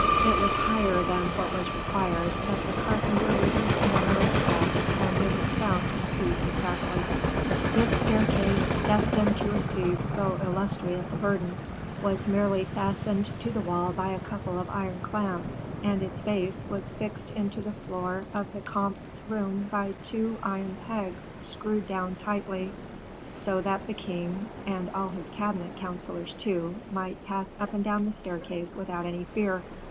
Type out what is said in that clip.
It was higher than what was required, but the carpenter reduced the number of steps, and it was found to suit exactly. This staircase, destined to receive so illustrious a burden, was merely fastened to the wall by a couple of iron clamps, and its base was fixed into the floor of the comte's room by two iron pegs screwed down tightly, so that the king, and all his cabinet councilors too, might pass up and down the staircase without any fear.